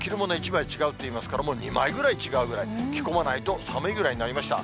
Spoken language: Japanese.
１枚違うといいますから、もう２枚ぐらい違うぐらい、着込まないと寒いぐらいになりました。